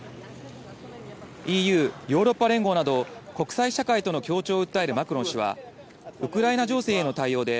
ＥＵ・ヨーロッパ連合など、国際社会との協調を訴えるマクロン氏は、ウクライナ情勢への対応で、